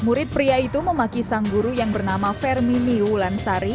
murid pria itu memaki sang guru yang bernama fermi liu lansari